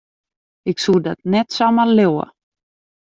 Ik soe dat net samar leauwe.